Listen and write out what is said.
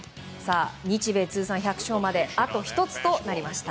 日米通算１００勝まであと１つとなりました。